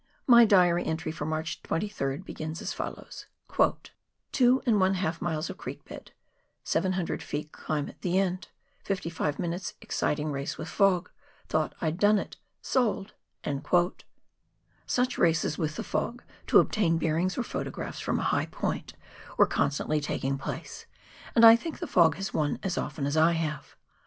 My diary entry for March 23rd begins as follows :—" 2j miles of creek bed ; 700 ft. climb at end ; 55 minutes' exciting race with fo": ; thought I'd done it ; sold !" Such races with the fog to obtain bearings or photographs from a high point, were constantly taking place, and I think the fog has won as often as I have.